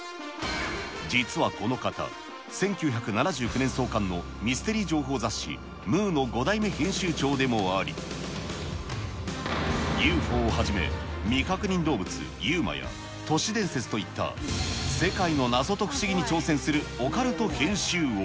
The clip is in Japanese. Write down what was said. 実はこの方、１９７９年創刊のミステリー情報雑誌、ムーの５代目編集長でもあり、ＵＦＯをはじめ、未確認動物ＵＭＡや都市伝説といった世界の謎と不思議に挑戦するＵＦＯ